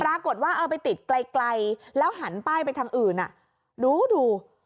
เอาไปติดไกลไกลแล้วหันป้ายไปทางอื่นอ่ะดูดู